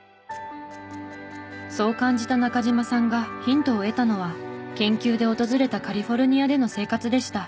そう感じた中嶋さんがヒントを得たのは研究で訪れたカリフォルニアでの生活でした。